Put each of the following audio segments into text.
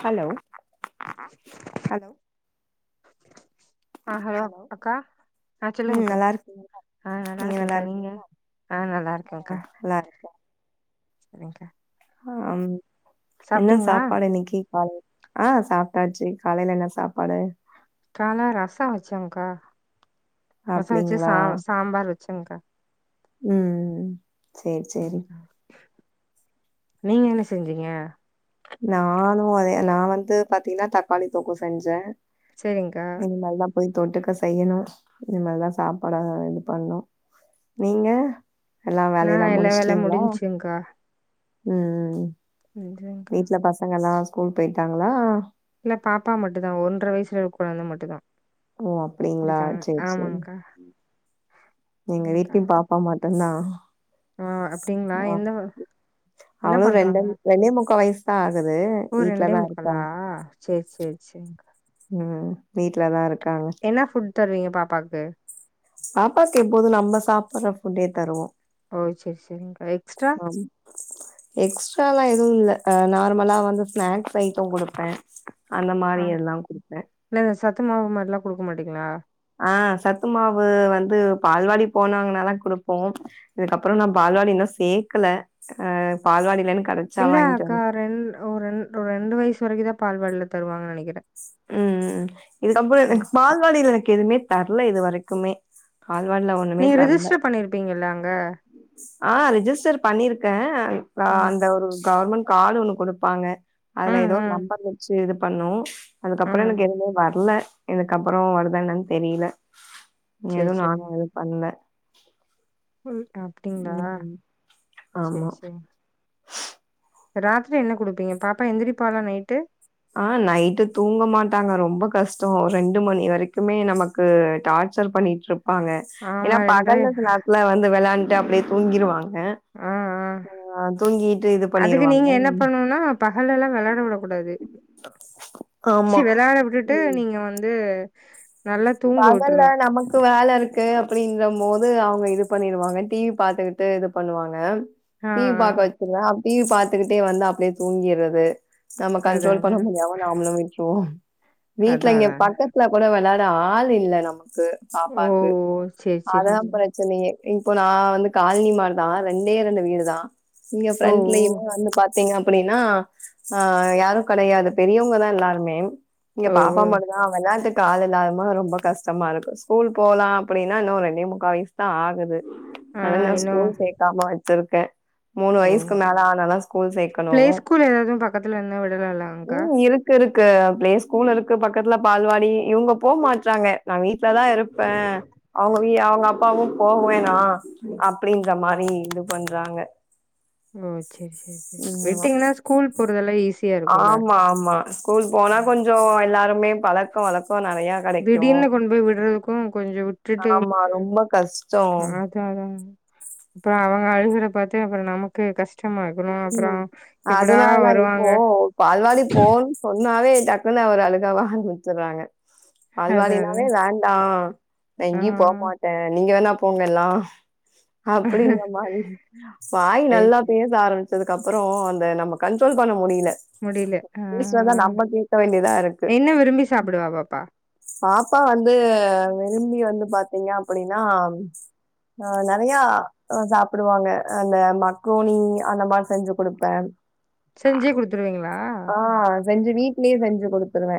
Hello ஆ hello அக்கா ஆ ம் சொல்லுங்க்கா நல்லா இருக்கீங்களா ஆ நீங்க நல்லா நல்லாருக்கேகா நீங்க இருக்கீங்களா ஆ நல்லாருக்கேகா நல்லா இருக் சரி்ங்க்கா ம் என்ன சாப்பாடு இன்னைக்கு காலைல ஆ சாப்ட்டாச்சு காலைல என்ன சாப்பாடு காலா ரச வச்சங்க்கா ரச வச்சு அப்டிங்களா சா சாம்பார் வச்சங்க்கா ம் சேரி சேரி நீங்க என்ன செஞ்சீங்க நானு அதே நா வந்து பாத்தீங்கனா தக்காளி தொக்கு செஞ்ச சரிங்க்கா இனிமேல் தா போய் தொட்டுக்க செய்யணு இனிமேல் தா சாப்பாட இது பண்ணு நீங்க எல்லா நா வேலல்லா எல்லா வேல முடிச்சுட்டீங்ளா முடிஞ்ச்சுங்க்கா ம் முடிஞ்சுங்க்கா வீட்ல பசங்கல்லா ஸ்கூல் போய்ட்டாங்களா இல்ல பாப்பா மட்டு தா ஒன்ற வயசுல ஒரு குழந்த மட்டு தா ஓ அப்டிங்களா இருக்காங்க சேரி சேரி ஆமாங்க்கா எங்க சரிங்க்கா வீட்லயு பாப்பா மட்டு தா ஆ அப்டிங்களா எந்த என்ன அவளு ரெண்டு பண்றாங்க ரெண்டே முக்கா வயசு தா ஆகுது வீட்ல தா இருக்காங்க சேர் செரி செரிங்க்கா ம் வீட்ல தா இருக்காங்க என்னா ஃபுட் தருவீங்க பாப்பாக்கு பாப்பாக்கு எப்போது நம்ம சாப்ட்ற ஃபுட்டே தருவோ ஓ செரி செரிங்க்கா எக்ஸ்ட்ரா ஒன் எக்ஸ்ட்ராலா எதுவு இல்ல ஆ நார்மலா வந்து ஸ்நாக்ஸ் ஐட்ட குடுப்ப அந்த மாரி ஆ எல்லா குடுப்ப இல்ல இந்த சத்து மாவு மாதிரிலா குடுக்க மாட்டீங்களா ஆ சத்து மாவு வந்து பால்வாடி போனாங்கனா தா குடுப்போ இதுக்கப்பற நா பால்வாடி சேக்கல ஆ பால்வாடில்லன் கடக் இல்ல அக்கா ரெண் ஒ ரெண் ஒரு ரெண்டு வயசு வரைக்கு தா பால்வாடில தருவாங்கன் நெனைக்கிற இதுக்கப்பற எனக்கு பால்வாடில எனக்கு எதுமே தரல இது வரைக்குமே பால்வாடில ஒன்னுமே நீங்க தரல ரிஜிஸ்டர் பண்ணிருப்பீங்கல்ல அங்க ஆ ரெஜிஸ்டர் பண்ணிருக்க ம் அந்த ஒரு கவர்மெண்ட் கார்டு ஒன்னு குடுப்பாங்க அதுல ம் எதோ ம் நம்பர் வச்சு இது பண்ணு அதுக்கப்ற ம் எனக்கு எதுமே வர்ல இதுக்கப்ற வருதா என்னான் தெரில எது சேரி சேரி நானு எது பண்ல ம் அப்டிங்ளா ம் ஆமா சேர் செரி ராத்திரி என்ன குடுப்பீங்க பாப்பா எந்திரிப்பாலா நைட்டு ஆ நைட்டு தூங்க மாட்டாங்க ரொம்ப கஷ்ட ரெண்டு மணி வரைக்குமே நமக்கு கு டார்சர் பண்ணிட்டு இருப்பாங்க ஆமா ஏன்னா ரெண்ட்ரை பகல்ல நா நா வந்து வெளாண்ட்டு அப்டியே தூங்கிருவாங்க ஆ ஆ ஆ தூங்கிட்டு இது பண்ணிருவாங்க பகல்லலா வெளாட விடக் கூடாது சி ஆமா வெளாட விட்டுட்டு ம். நீங்க வந்து நல்லா தூங்க பகல்ல விட்ருணு நமக் கு வேல இருக்கு அப்டின்ற போது அவுங்க இது பண்ணிருவாங்க டி வி பாத்துக்கிட்டு இது பண்ணுவாங்க ஆ டி வி ஆ பாக்க வச்சுருவே டி வி பாத்துக்கிட்டே வந்து அப்டியே தூங்கிறது நம்ம அதா கண்ட்ரோல் அதா பண்ண முடியாம நாமளு விட்டுருவோ வீட்ல அதா இங்க அதா பக்கத்துல கூட வெளயாட ஆல் ஆல் இல்ல நமக்கு ஓ பாப்பாக்கு ஓ சேரி சேரி அததா சேரி பிரச்சனையே இப்போ நா வந்து காலனி மாரி தா ரெண்டே ரெண்டு வீடு தா நீங்க ஓ ஓ ப்ரெண்ட்லயுமே வந்து பாத்தீங்க அப்டின்னா ஆ யாரு கெடையாது பெரியவங்கதா எல்லாருமே இங்க ஓ பாப்பா மட்டுதா வெளாட்டுக்கு ஆள் இல்லாம ரொம்ப கஷ்டமா இருக்கு ஸ்கூல் போலா அப்டின்னா இன்னு ரெண்டு முக்கா வயஸ் தா ஆகுது ஆ அதனா நா இன்னு ஸ்கூல் சேக்காம வச்சிருக்கே மூணு ஓ வயசுக்கு மேல ஆனாதா ஸ்கூல் பிளே சேக்கணும் ஸ்கூல் ஏதாவது பக்கத்துல இருந்தா விடலாம்லங்கா? ம் இருக் கு இருக்கு ப்ளே ஸ்கூல் இருக்கு பக்கத்துல பால்வாடி இவுங்க போ மாட்டறாங்க நா வீட்லதா இருப்ப அவுங்க வி அவுங்க அப்பாவு போவேன்னா அப்டின்ற மாரி இது பண்றாங்க ஓ செரி செரி செரி ம். விட்டீங்கன்னா ஸ்கூல் போறதெல்லா ஈஸி ஆமா ஆமா ஸ்கூல் போனா கொஞ்சோ எல்லாருமே பழக்கோ வழக்கோ நெறைய திடீர்னு கொண்போய் விடுறதுக்கு கொஞ்சோ விட்டுட்டு ஆமா, ரொம்ப கஷ்டம். பாத் தர அவுங்க அழுகுற பாத்து அப்றோ நமக் க்கு கஷ்டமா இருக்குணு அப்றோ ம். எப்படா அதனால வருவாங்க பொன்னாவே டக்குன்னா ஒரு அழக ஆரம்பிச்சிறாங்க அதா அதா பால்வாடினாவே வேண்டா நா ஆ எங்கயு போமாட்ட நீங்க வேணா போங்க எல்லா அப்டின்றமாரி வாய் சரி நல்லா சரி பேச பேச ஆரம்பிச்சதுக்கு அப்றோ அந்த நம்ம கண்ட்ரோல் பண்ண முடியல முடியல ஆ பேசறதா நம்ம கேட்க வேண்டியதா இருக்கு என்ன விரும்பி சாப்பிடுவா பாப்பா? பாப்பா வந்து விரும்பி வந்து பாத்தீங்க அப்டின்னா ஆ நெறையா சாப்பிடுவாங்க அந்த மக்கோனி அந்த மாரி செஞ்சு குடுப்பே செஞ்சே குடுத்துருவீங்ளா ஆ செஞ்சு வீட்லேயே செஞ்சு குடுத்துருவே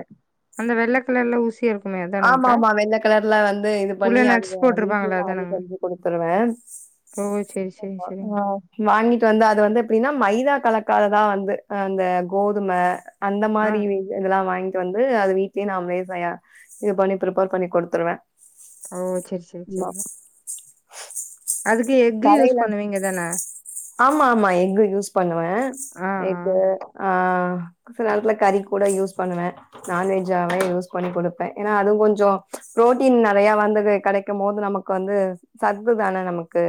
அந்த வெள்ள கலர்ல ஊசி இருக் ஆமா ஆமா வெள்ள கிலர்ல வந்து இது உள்ள பண்ணி அது நட்ஸ் வீட்லயே போட்டிருப்பாங்களே நா அது அதானங்க? செஞ்சு குடுத்துருவே ஓ சேரி சேரி சேரி செரிங் வாங்கிட்டு வந்து அது வந்து எப்டின்னா மைதா கலக்காததா வந்து அந்த கோதும அந்த ஆ மாரி இ இதெல்லா வாங்கிட்டு வந்து அது வீட்லயே நாமலே செய்யலா இது பண்ணி ப்ரிப்பேர் பண்ணி குடுத்துருவ ஓ சேரி சேரி சேரி அதுக்கு எக்கு யூஸ் கடையில பண்ணுவீங்க தான ஆமா ஆமா எக்கு யூஸ் பண்ணுவ ஆ ஆ எகு அ செல நேரத்துல கறி கூட யூஸ் பண்ணுவ நான்வெஜ்ஜாவே யூஸ் பண்ணி குடு ஏனா அதுவு கொஞ்சோ புரோட்டீன் நெறைய வந்து கெடைக்கு போது நமக்கு வந்து சத்து தானே நமக்கு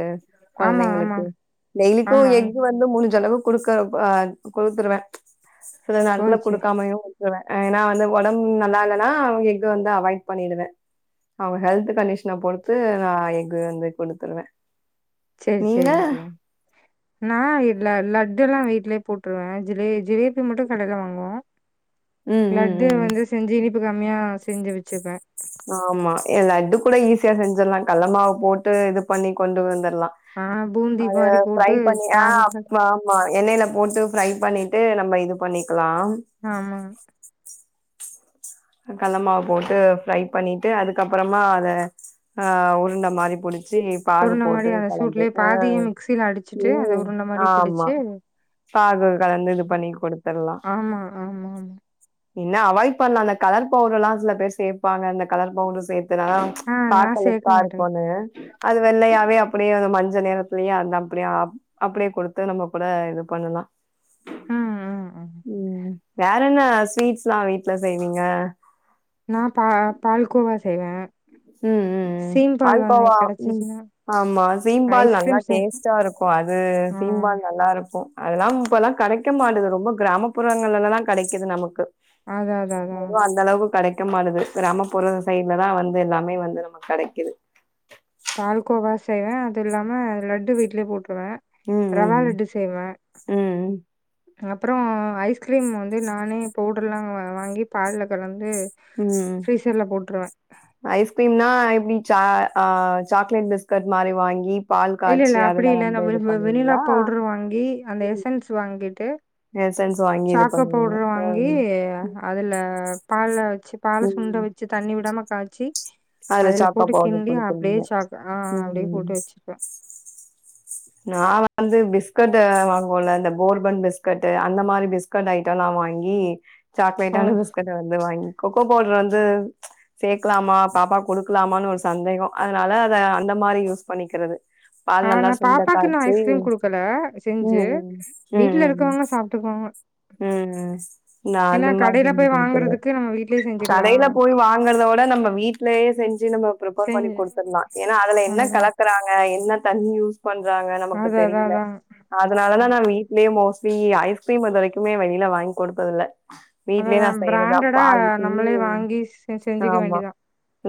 ஆமா ஆமா கொழந்தைங்களுக்கு டெய்லுக்கு ஆமா ஆமா எக்கு வந் து மூடிஞ்ச அளவுக்கு குடுத்துருவ சில ஓ நாரத்துல செரி குடுக்காமையு விட்ருவ ஏனா வந்து ஒடம்பு நல்லா இல்லன எக்கு வந்து அவாய்ட் பண்ணிடுவ அவ ஹெல்த் கண்டிஷனா பொறுத்து நா எக்கு வந்து குடுத்துருவ சேரி சேரி சேரிங் நா இல்ல லட்டு எல்லா வீட்லயே போட்டுருவேன் ஜிலே ஜிலேபி மட்டு கடையில் வாங்குவோம் ம், ம், லட்டு ம். வந்து செஞ்சு இனிப்பு கம்மியா செஞ்சு வச்சுப்பேன் ஆமா லட்டு கூட ஈஸியா செஞ்சிட்லாம் கல்ல மாவு போட்டு இது பண்ணி கொண்டு வந்துரலாம் ஆ பூந்தி அத மாரி ப்ரை போட்டு பண்ணிய அ பாகு ஆம் மா எண்ணெயில போட்டு ஃப்ரை பண்ணிட்டு நம்ம இது பண்ணிக்கலாம் ஆமா கல்ல மாவு போட்டு ஃப்ரை பண்ணிட்டு அதுக்கப்பறமா அத அ உருண்ட மாரி புடிச்சு பாகு உருண்ட மாரி போட்டு அத கலந்து சூட்லயே பாதிய உம் மிக்சில அடிச்சுட்டு அத உம் உருண்ட மாரி ஆமா புடிச்சு பாகு கலந்து இது பண்ணி குடுத்துட்லாம் ஆமா ஆமா ஆமா என்ன அவாய்ட் பண்ணலாம் அந்த கலர் பவுடர் ல்லாம் சில பேர் சேர்பாங்க அந்த கலர் பவுட்ரு சேத்துனா ஆ நா பாக்கலு சேக்க தா மாட்டே இருப்போனு அது வெள்ளையாவே அப்டியே அது மஞ்ச நெரத்துலயே அது அப்டியா அப்டியே குடுத்து நம்ம கூட இது பண்ணலா ம் ம் ம் வேற என்ன ஸ்வீட்ஸ்லாம் வீட்ல செய்வீங்க நா பா பால்கோவா செய்வே ம் ம் ம் பால்கோவா ம் கெடைச்சிச்சுன்னா, ஆமா சீம்பால் நல்லா ஐஸ்கிரீம் செய்வேன். டேஸ்ட்டா இருக்கு அது ஆ சீம்பால் நல்லா இருக்கு அதெல்லா இப்பல்லா கெடைக்க மாட்டது ரொம்ப கிராமப்புறங்கள்லதா கெடைக்குது நமக்கு அதான் அதான் அதான். அதுவு அந்த அளவுக்கு கெடைக்க மாட்டுது கிராமப்புற சைட்லதா வந்து து எல்லாமே வந்து நமக்கு கெடைக்குது பால்கோவா செய்வே அது இல்லாம லட்டு வீட்லயே போட்டுருவே ம், ரவா ம், லட்டு செய்வே ம், அப்புற ஐஸ்கிரீம் வந்து நானே பவுடர்லா வா வாங்கி பால கலந்து ம். பிரீசர்ல போட்டருவே ஐஸ்கிரீம்னா எப்டி சா அ சாக்லேட் பிஸ்கட் மாரி வாங்கி பால் இல்ல இல்ல காய்ச்சி அப்டி அதுல இல்ல வந்து நம்ப இ இது வெண்ணிலா பண்ணுவீங்களா? பவுடரு வாங்கி அந்த ம். எஸ்சன்ஸ் வாங்கிட்டு எசன்ஸ் வாங்கி இது சாக்கோ பண்ணுவீங்க. பவுடர் வாங்கி ம். அதுல பால வச்சு பால சுண்ட ம். வச்சு தண்ணி விடாம காய்ச்சி அதுல சாக்கோ போட்டு பவுடர் கிண்டி அப்டியே குடுக்குறீங்க. ச ஆ அப்டியே ம். போட்டு வச் நா வந்து பிஸ்கட் வாங்குவோல இந்த போர்பன் பிஸ்கட் அந்த மாரி பிஸ்க் கண்ட ஐட்டல்லா வாங்கி ஓ சாக்லேடான பிஸ்கட்டு வந்து வாங்கி கொக்கோ பவுடர் வந்து சேக்கலாமா பாப்பாக்கு குடு கலமானு ஒரு சந்தேக அதனால அத அந்த மாரி யூஸ் பண்ணிக்கிறது பால் நல்லா சுண்ட பாப்பாக்கு க்கு நா காய்ச்சி ஐஸ்கிரீம் குடுக்கல செஞ்சு ம் ம் ம் வீட்டுல ம் இருக்கவங்க சாப்பிட்டுக்குவாங்க ம் ம் நா அந்த மா செஞ்சு போய் குடுத்துருவே வாங்குறதுக்கு நம்ம வீட்லயே செஞ்சுக்கலா கடையில போய் வாங்கறத விட நம்ம வீட்லேயே செஞ்சு நம்ம ப்ரிப்பேர் பண்ணி செஞ்சு குடுத்துரலா ஏன்னா அதுல என்ன அதா கலக்குறாங்க என்ன தண்ணி யூஸ் பண்றாங்க நமக்கு அது அதா தெரியல அதா அதனாலதா நா வீட்லயே மோஸ்ட்லி ஐஸ்கிரீம் இது வரைக்குமே வெளியில வாங்கி குடுத்ததுல்ல வீட்லயே அதுதா நா செய்றதா பிராண்டடா பால் நம்மளே ஊத்தி வாங்கி செ செஞ்சுக்க ஆமா வேண்டியதா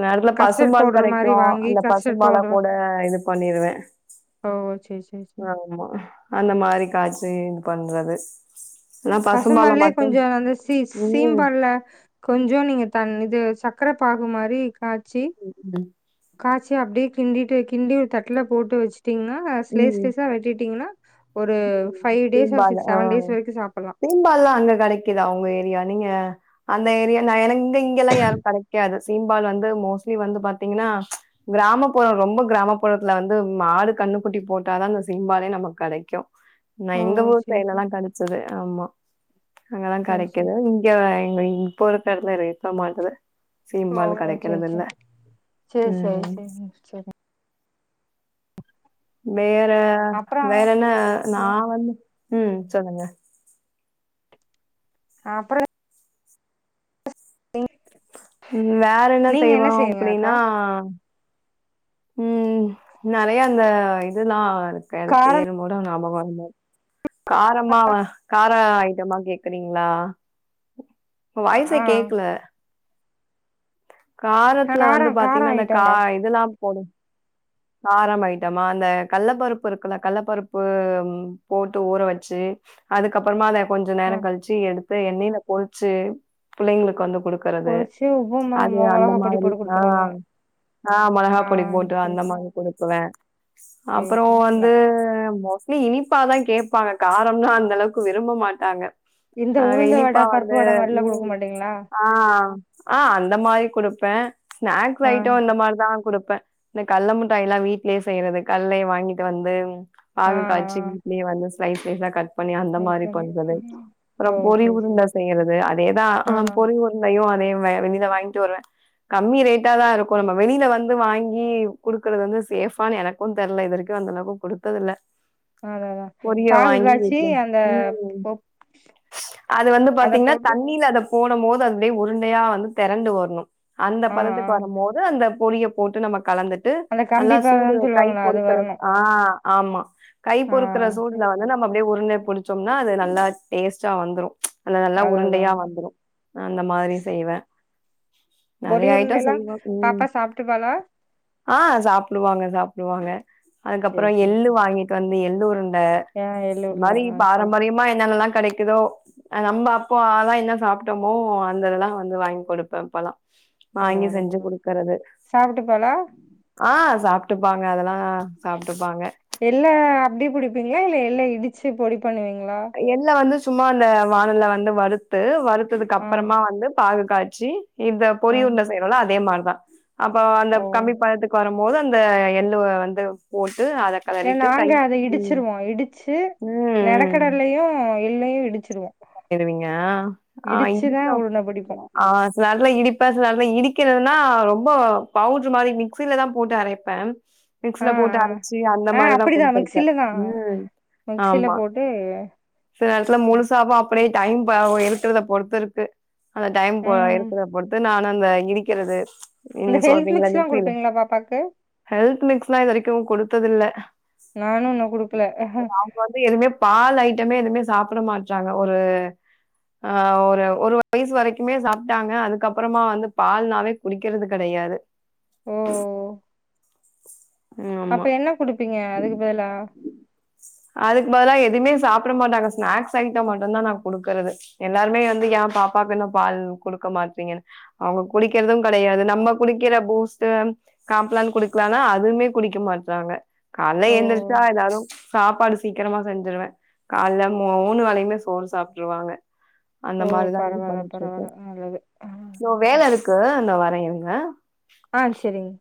நேரத்துல்ல கஸ்டர்ட் பசும்பால் பவுடர் கெடைக்கு மாரி வாங்கி அந்த கஸ்டர்ட் பசும்பால பவுடர் கூட இது பண்ணிருவே ஓ செரி செரி செரி ஆமா அந்த மாரி காய்ச்சி இது பண்றது ஆனா பசும்பால பசும்பால்லே மட்டும் கொஞ்சம் அந்த சி ம். சீம்பால்ல கொஞ்சோ நீங்க தண் இது சக்கர பாகு மாரி காச்சி உருண்ட காய்சி அப்டியே கிண்டிட்டு கிண்டி ஒரு தட்டல போட்டு வச்சு ட்டீங்கனா ஸ்லேஸ் ம். ஸ்லேஸா வெட்டிட்டீங்ன்னா ஒரு ம். Five days or six seven days வரைக்கு சாப்புட்லா சீம்பாலல்லா அங்க கெடைக்குதா உங்க ஏரியா நீங்க அந்த ஏரியா நா எனக் இங்க இங்கல்லா எனக் கெடக்காது சீம்பால் வந்து மோஸ்ட்லி வந்து பாத்தீங்கன்னா கிராமப்புற ரொம்ப கிராமப்புறத்துல வந்து மாடு கண்ணுக்குட்டி போட்டாதா இந்த சிம்பாலே நமக்கு கெடைக்கு நா ஓ எங்க ஊர் சேரி சைட்லல்லா சேரி கெடைச்சது ஆமா அங்கல்லா சேரி சேரி கெடைக்குது எங்க இங்க போறக்க இடலாம் இருப்ப மாட்டேது ஓ சீம்பால் சேரி கெடைக்கறதுல்ல ம் சரி வேற அப்றோ வேற என்ன நா வந் ம் சொல்லுங்க ஆன் அப்புறோ இங் ம் வேற என்ன செய்வம் அப்டின்னா ம் நெறைய அந்த இதுல்லா இருக்க அது காரம் பேரு கூட ஞாபகம் வர்ல காரமாவ கார ஐட்டமா கேக்குறீங்களா உங்க வாய்சே ஆ கேக்கல காரத்துல காரோ வந்து காரோ பாத்தீங்கனா அந்த கா ஐட்டம்க்கா இதெல்லாம் போடும் காரம் ஐட்டமா அந்த கள்ளபருப்பு இருக்குல கள்ளப்பருப்பு போட்டு ஊற வச்சு அதுக்க அப்புறமா அத கொஞ்ச ஆ நேரம் கழிச்சு எடுத்து எண்ணணெயில பொறிச்சு பிள்ளைங்களுக்கு வந்து குடுத் கொடுக்கறது பொரிச்சு உப்பு மொ அது அந்த மொளகா பொடி மாதிரி போட்டு குடுத்துருவீங்க ஆம் ஆ ஆ மொளகாப் பொடி போட்டு சேரி அந்த சேரி மாரி கொடுக்குவேன் சேரி அப்புறம் சேரி நா வந்து மோஸ் ட்லி இனிப்பாதா கேப்பாங்க காரம்னா அந்த அளவுக்கு விரும்ப மாட்டாங்க இந்த ஆ உளுந்த வட இனிப்பா பருப்பு வந்து வட மாரிலா குடுக்க ம் மாட்டீங்களா ஆ ஆ அந்த மாரி குடுப்பேன் ஸ்நாக்ஸ் ஆ ஐட்டம் இந்த மாரிதான் குடுப்பேன் இந்த கல்ல முட்டாயெல்லா வீட்லயே செய்றது கல்லய வாங்கிட்டு வந்து ஆ ஆ பாகு காய்ச்சி வீட்லயே வந்து சைஸ் சைஸ் ஆ கட் பண்ணி அந்த சரி மாரி சரி பண்றது ம் ஓ அப்பறம் பொறி சரி சரி உருண்ட செய்றது அதேதா ஆ பொறி உருண்டையும் அதயும் வெளியில வாங்கிட்டு வருவேன் கம்மி ரேட்டா தா இருக்கும் நம்ம வெளியில வந்து வாங்கி ங்கீ குடுக்குறது வந்து சேஃபான்னு எனக்கும் தெரில இதுவரைக்கும் அந்த அளவுக்கு குடுத்தது இல்ல அதா அதா பொறிய பாகு வாங்கி காய்ச்சி வந்து அந்த ம் போ அது வந்து அத பாத்தீங்ன்னா போட்டு தண்ணில அத போடம் போது அது அப்டியே உருண்டையா வந்து தெரண்டு வரணும் அந்த ஆ ஆ பதத்துக்கு வரும் போது அந்த பொறிய போட்டு நம்ம கலந்துட்டு அந்த நல்லா கம்பி சூடு பாகன்னு கை சொல்லுவாங்கள அது பொறுக்கற வரணு ஆ ஆமா கை ஆ பொறுக்குற சூடுல சரி வந் து நம்ம அப்படியே உருண்டைய புடிச்சம்னா அது நல்லா டேஸ்ட்டா வந்துரு அது நல்லா அதா அதா உருண்டையா வந்துரு அந்த மாதிரி செய்வ பொறி உருண்டைலா ம். பாப்பா சாப்ட்டுப்பாலா ஆ சாப்டுவாங்க சாப்டுவாங்க அதுக்கப்பற சேரி சேரி எள்ளு வாங்கிட்டு வந்து எள்ளுருண்டை ஆ எள்ளு அது உருண்ட மாரி ஆ சேரி பாரம்பரியமா என்னன்னெல்லா கெடைக்குதோ அ நம்ம அப்போ லா என்ன சாப்ட்டமோ அந்திதெல்லா வந்து வாங்கி குடுப்ப இப்பலா பரவால போ சாப்ட்டுப்பாலா ஆ சாப்ட்டுப்பாங்க அதெல்லா சாப்ட்டுப்பாங்க எள்ள அப்டே குடுப்பிங்ளா இல்ல எள்ள இடிச்சு பொடி பண்ணுவிங்ளா எள்ள வந்து சும்மா அந்த வாணல்ல வந்து வறுத்து வறுத்ததுக்கு ஆ அப்பறமா வந்து பாகு காய்ச்சி இந்த ஆ பொறி உருண்டை செய்றோ இல்ல அதே மார்தா அப்ப அந்த ஓ கம்பி பதத்துக்கு வரம் போது அந்த எள்ளு வந்து போட்டு அத இல்ல கெளறிட்டு கை நாங்க அத ம் இடிச்சிருவோ இடிச்சு ம் ம் நெலக்கடலையு எள்ளையு இடிச்சிருவோ ருவிங்கா ஆ இடிச்சுதா இதுக்கு உருண்ட பிடிப்போ அனுப்ச்ட்ருவோ ஆ சில நேரத்ல இடிப்ப சில நேரத்ல இடிக்கரதுன்னா ரொம்ப பவுட்ரு மாரி மிக்சிலலா போட்டு அரைப் ப ஆ மிக்ஸில போட்டு ஆ அரைச்சி அந்த ஆ மாரிதா அப்டிதா குடுத்திருக்கே ம் ஆமா ட்டு சில நேரத்துல முழுசாவு அப்படியே டைம் ப எடுக்கிறத பொறுத்து இருக்கு அந்த டைம் போ ம் எடுக்கறது பொறுத்து நான் அந்த இடிக்கறது இந்த நீங்க ஹெல்த் சொல்றிங்கல மிக்ஸ்லா மிக்ஸில குடுப்பீங்களா பாப்பாக்கு ஹெல்த் மிஸ்ல்லா இது வரைக்கு குடுத்ததில்ல நானு இன்ன குடுக்கல அவங்க வந்து எதுமே பால் ஐட்டமே எதுமே சாப்பட மாட்றாங்க ஒரு ஆ ஒரு ஒரு வயசு வரைக்குமே சாப்ட்டாங்க அதுக்கப்பறமா வந்து பால்னாவே குடிக்கறது கெடையாது ஓ ம் அப்ப ஆமா என்ன குடுப்பீங்க அதுக்கு பதிலா அதுக்கு பதலா எதுமே சாப்பட மாட்டாங்க ஸ்நாக்ஸ் ஐட்டம் மட்டுந்தா நா குடுக்கறது எல்லாருமே வந்து ஏ பாப்பாக்கு இன்னு பால் குடுக்க மாட்றிங்கன்னு அவுங்க குடிக்கிறது கெடையாது நம்ம குடிக்கிற பூஸ்ட்டு காம்ப்ளேன் குடுக்கலானா அதுமே குடிக்க மாட்றாங்க காலல ஓ எந்திரிச்சா எல்லாரு சாப்பாடு சீக்கரமா செஞ்சிருவே காலல மு மூணு வேலயுமே சோறு சாப்ட்ருவாங்க அந்த ஓ மாரிதா இது பரவால்ல பண்ணிட்ருக்கே பரவால்ல நல்லது ஆ தோ வேலருக்கு இதோ வர இருங்க ஆ செரிங்